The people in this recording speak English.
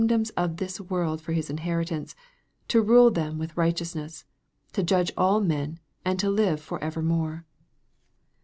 287 doms of this world for His inheritance to rule them with righteousness to judge all men, and to live for evermore.